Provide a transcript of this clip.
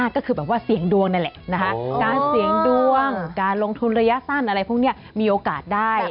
ก็คือแบบว่าเสี่ยงดวงนั่นแหละนะคะการเสี่ยงดวงการลงทุนระยะสั้นอะไรพวกนี้มีโอกาสได้